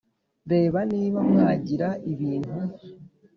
Reba niba mwagira ibintu